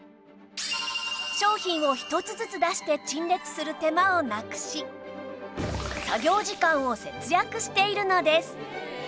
商品を一つずつ出して陳列する手間をなくし作業時間を節約しているのです